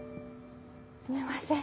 すみません。